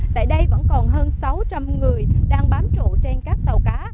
tại đây vẫn còn hơn sáu trăm linh người đang bám trụ trên các tàu cá